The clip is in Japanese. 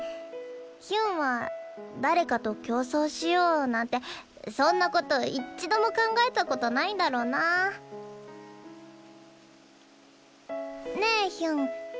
ヒュンは誰かと競争しようなんてそんなこといっちども考えたことないんだろうなあ。ねえヒュン。